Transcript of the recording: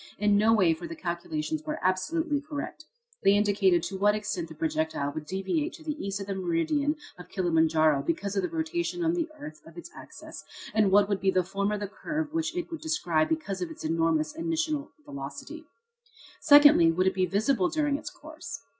In no way, for the calculations were absolutely correct. They indicated to what extent the projectile would deviate to the east of the meridian of Kilimanjaro because of the rotation of the earth on its axis, and what would be the form of the curve which it would describe because of its enormous initial velocity. Secondly, would it be visible during its course?